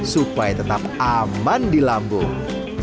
supaya tetap aman di lambung